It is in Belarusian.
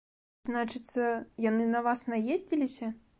Значыцца, яны на вас наездзіліся?